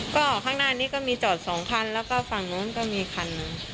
ก็ข้างหน้านี้ก็มีจอดสองคันแล้วก็ฝั่งนู้นก็มีคัน